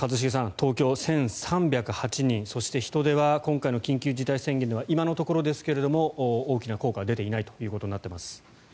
東京は１３０８人そして、人出は今回の緊急事態宣言では今のところですが大きな効果は出ていないということになっています。